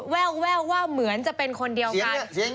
แววว่าเหมือนจะเป็นคนเดียวกัน